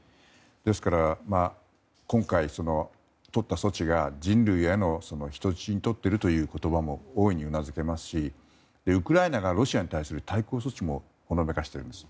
ですから今回、取った措置が人類を人質に取っているという言葉も大いにうなずけますしウクライナがロシアに対する対抗措置もほのめかしているんです。